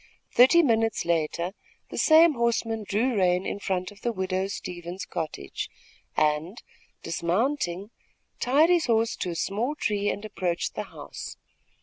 Thirty minutes later, the same horseman drew rein in front of the widow Stevens' cottage and, dismounting, tied his horse to a small tree and approached the house.